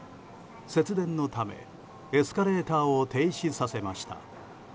節電のためエスカレーターを停止させました。